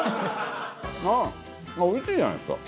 おいしいじゃないですか。